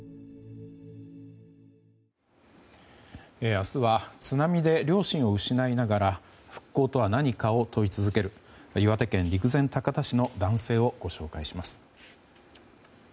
明日は津波で両親を失いながら復興とは何かを問い続ける岩手県陸前高田市の男性をご紹介します。